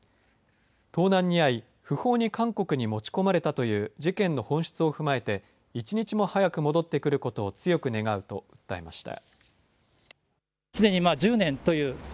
盗難に遭い不法に韓国に持ち込まれたという事件の本質を踏まえて１日も早く戻ってくることを強く願うと訴えました。